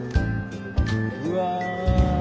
うわ。